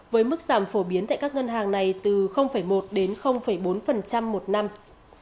với mức giảm phổ biến tại các ngân hàng này từ một đến bốn một năm